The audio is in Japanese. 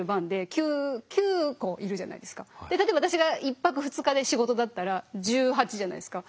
例えば私が１泊２日で仕事だったら１８じゃないですか。